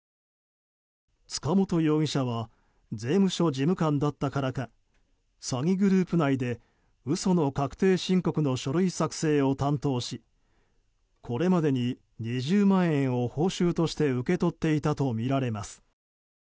塚本容疑者は税務署事務官だったからか詐欺グループ内で嘘の確定申告の書類作成を担当しこれまでに２０万円を報酬として受け取っていたとみられます。